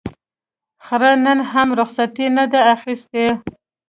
خره نن هم رخصتي نه ده اخیستې.